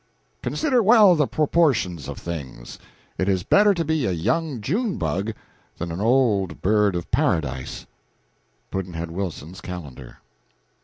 Consider well the proportions of things. It is better to be a young June bug than an old bird of paradise. Pudd'nhead Wilson's Calendar.